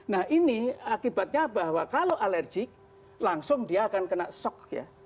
nah ini akibatnya bahwa kalau alerjik langsung dia akan kena shock ya